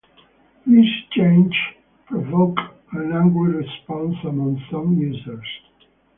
This change provoked an angry response among some users.